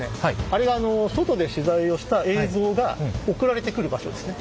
あれが外で取材をした映像が送られてくる場所ですね。